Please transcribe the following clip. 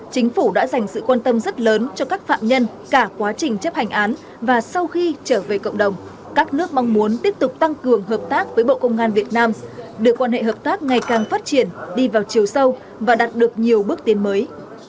chính phủ đã dành sự quan tâm rất lớn cho các phạm nhân cả quá trình chấp hành án và sau khi trở về cộng đồng các nước mong muốn tiếp tục tăng cường hợp tác với bộ công an việt nam đưa quan hệ hợp tác ngày càng phát triển đi vào chiều sâu và đạt được nhiều bước tiến mới